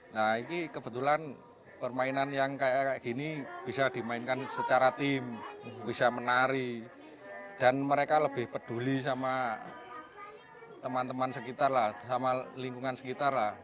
nah ini kebetulan permainan yang kayak gini bisa dimainkan secara tim bisa menari dan mereka lebih peduli sama teman teman sekitar lah sama lingkungan sekitar lah